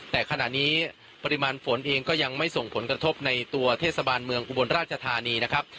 แต่ขณะนี้ปริมาณฝนเองก็ยังไม่ส่งผลกระทบในตัวเทศบาลเมืองอุบลราชธานีนะครับ